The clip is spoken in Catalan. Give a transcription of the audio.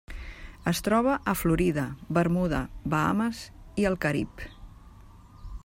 Es troba a Florida, Bermuda, Bahames i el Carib.